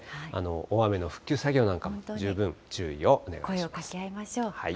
大雨の復旧作業なんかも十分注意声をかけ合いましょう。